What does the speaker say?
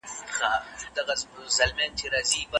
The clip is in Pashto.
ایا ملي بڼوال وچ توت اخلي؟